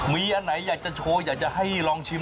มีอันไหนอยากจะโชว์อยากจะให้ลองชิม